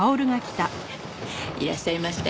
いらっしゃいましたよ。